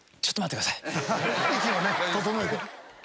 息を整えて。